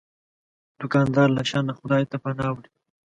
دوکاندار له شر نه خدای ته پناه وړي.